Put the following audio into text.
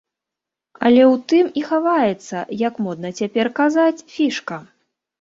Але ў тым і хаваецца, як модна цяпер казаць, фішка.